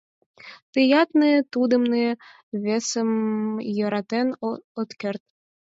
Тыят ны тудым, ны весым йӧратен от керт.